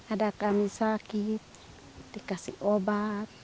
ada kami sakit dikasih obat